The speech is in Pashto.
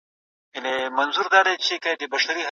هغه په عاجزۍ سره خپله تېروتنه ومنله.